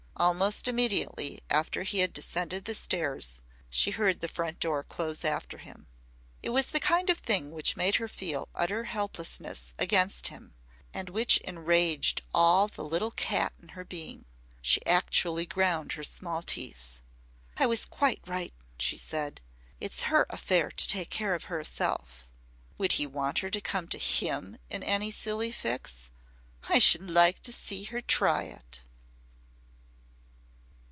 Almost immediately after he had descended the stairs she heard the front door close after him. It was the kind of thing which made her feel her utter helplessness against him and which enraged all the little cat in her being. She actually ground her small teeth. "I was quite right," she said. "It's her affair to take care of herself. Would he want her to come to him in any silly fix? I should like to see her try it."